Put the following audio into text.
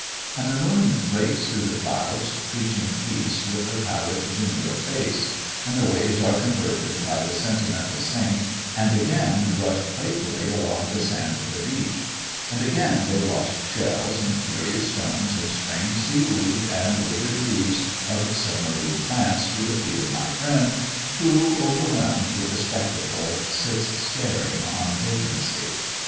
And the moon breaks through the clouds, preaching peace with her pallid demure face; and the waves are converted by the sentimental saint, and again rush playfully along the sand of the beach; and again they wash shells, and curious stones, and strange sea weed, and withered leaves of sub marine plants to the feet of my friend, who, overwhelmed with the spectacle, sits staring on vacancy.